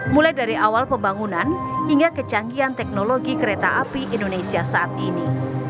mulai dari awal pembangunan hingga kecanggihan teknologi kereta api indonesia saat ini